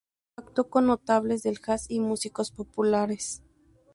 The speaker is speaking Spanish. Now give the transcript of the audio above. Actuó con notables del "jazz" y músicos populares.